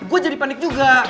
gue jadi panik juga